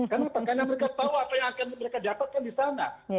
karena apa karena mereka tahu apa yang akan mereka dapatkan di sana